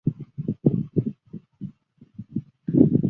丝叶紫堇为罂粟科紫堇属下的一个种。